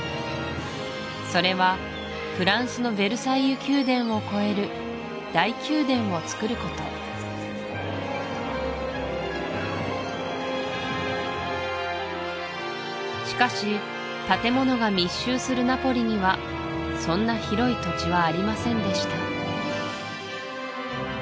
それはフランスのヴェルサイユ宮殿を超える大宮殿をつくることしかし建物が密集するナポリにはそんな広い土地はありませんでした